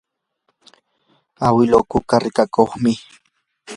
awiluu kuka rikakuqmi.